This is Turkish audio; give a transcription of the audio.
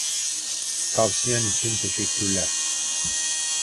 Tavsiyen için teşekkürler.